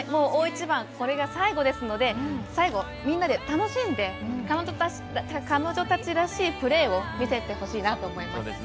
大一番これが最後ですので最後みんなで楽しんで彼女たちらしいプレーを見せてほしいなと思います。